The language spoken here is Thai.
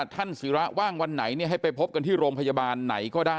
ให้ประชาชนลุกขึ้นมาชุมนุม